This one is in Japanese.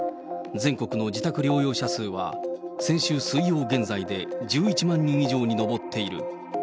全国の自宅療養者数は先週水曜現在で、１１万人以上に上っている。